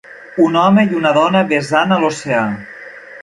un home i una dona besant a l'oceà